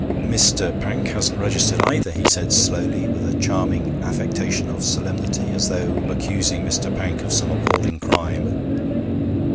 'Mr. Pank hasn't registered, either,' he said slowly, with a charming affectation of solemnity, as though accusing Mr. Pank of some appalling crime.